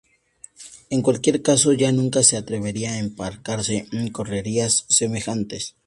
En cualquier caso, ya nunca se atrevería a embarcarse en correrías semejantes.